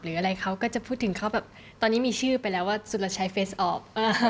อะไรเขาก็จะพูดถึงเขาแบบตอนนี้มีชื่อไปแล้วว่าสุรชัยเฟสออฟ